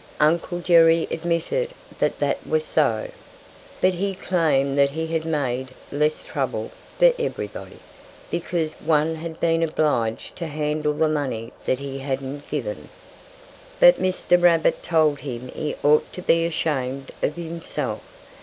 Uncle Jerry admitted that that was so. But he claimed that he had made less trouble for everybody, because no one had been obliged to handle the money that he hadn't given. But Mr. Rabbit told him he ought to be ashamed of himself.